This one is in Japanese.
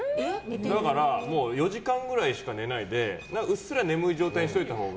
だから４時間ぐらいしか寝ないでうっすら眠い状態にしといたほうが。